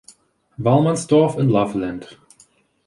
Wassmansdorff and Loveland.